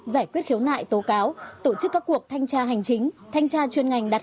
giải quyết khiếu nại tố cáo tổ chức các cuộc thanh tra hành chính thanh tra chuyên ngành đặt